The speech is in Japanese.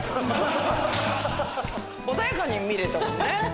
穏やかに見られたもんね。